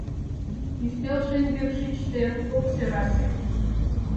Ӱстел шеҥгек шичде ок сӧрасе.